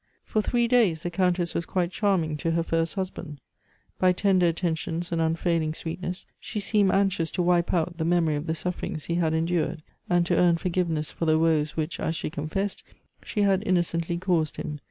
For three days the Countess was quite charming to her first husband. By tender attentions and unfailing sweetness she seemed anxious to wipe out the memory of the sufferings he had endured, and to earn forgiveness for the woes which, as she confessed, she had innocently caused him.